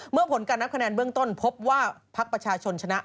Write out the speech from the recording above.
ผลการนับคะแนนเบื้องต้นพบว่าพักประชาชนชนะ